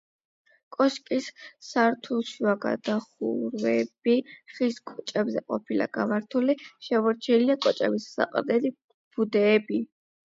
კოშკის სართულშუა გადახურვები ხის კოჭებზე ყოფილა გამართული, შემორჩენილია კოჭების საყრდენი ბუდეები.